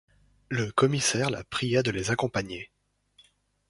Le commissaire la pria de les accompagner.